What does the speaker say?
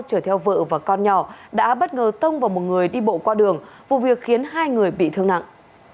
chở theo vợ và con nhỏ đã bất ngờ tông vào một người đi bộ qua đường vụ việc khiến hai người bị thương nặng